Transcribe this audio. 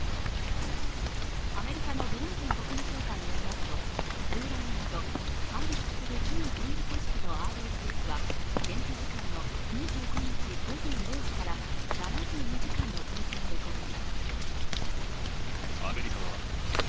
アメリカのブリンケン国務長官によりますと、スーダン軍と対立する準軍事組織のＲＳＦは、現地時間の２５日午前０時から７２時間の停戦で合意。